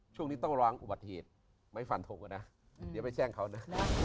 ช่วงนี้ต้องระวังอุบัติเหตุไม่ฟันทงกันนะเดี๋ยวไปแจ้งเขานะ